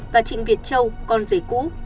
và trịnh việt châu con giấy cũ